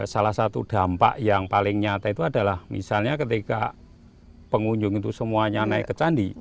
salah satu dampak yang paling nyata itu adalah misalnya ketika pengunjung itu semuanya naik ke candi